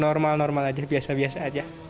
normal normal aja biasa biasa aja